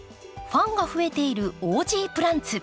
ファンが増えているオージープランツ。